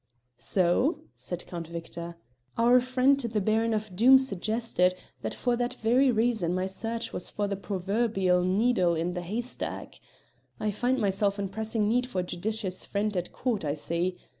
"So?" said Count Victor. "Our friend the Baron of Doom suggested that for that very reason my search was for the proverbial needle in the haystack. I find myself in pressing need of a judicious friend at court, I see.